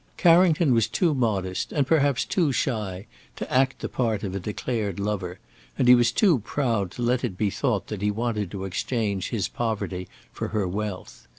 Carrington was too modest, and perhaps too shy, to act the part of a declared lover, and he was too proud to let it be thought that he wanted to exchange his poverty for her wealth.